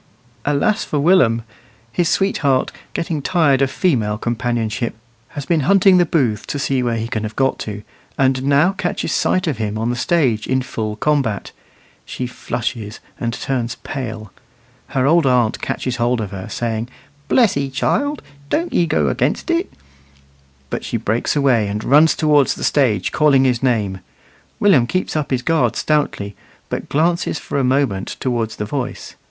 Alas for Willum! His sweetheart, getting tired of female companionship, has been hunting the booths to see where he can have got to, and now catches sight of him on the stage in full combat. She flushes and turns pale; her old aunt catches hold of her, saying, "Bless 'ee, child, doan't 'ee go a'nigst it;" but she breaks away and runs towards the stage calling his name. Willum keeps up his guard stoutly, but glances for a moment towards the voice.